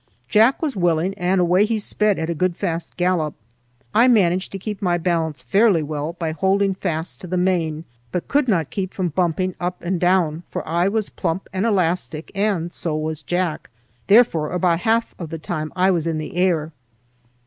Jack was willing, and away he sped at a good fast gallop. I managed to keep my balance fairly well by holding fast to the mane, but could not keep from bumping up and down, for I was plump and elastic and so was Jack; therefore about half of the time I was in the air.